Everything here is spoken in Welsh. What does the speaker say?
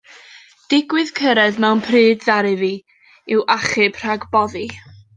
Digwydd cyrraedd mewn pryd ddarfu mi i'w achub rhag boddi.